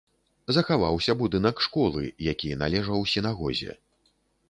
Захаваўся будынак школы, які належаў сінагозе.